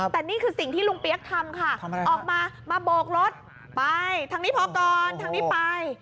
แต่นี่คือสิ่งที่ลุงเปี๊ยกทำค่ะออกมามาโบกรถไปทางนี้พอก่อนทางนี้ไป